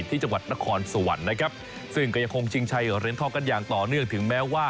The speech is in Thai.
ที่จังหวัดนครสวรรค์นะครับซึ่งก็ยังคงชิงชัยเหรียญทองกันอย่างต่อเนื่องถึงแม้ว่า